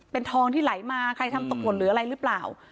เป็นทองที่ไหลมาใครทำตกหล่นหรืออะไรหรือเปล่า